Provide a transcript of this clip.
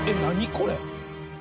これ。